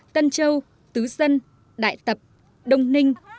tân châu tứ dân đại tập đông ninh